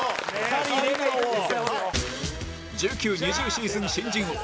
１９−２０ シーズン新人王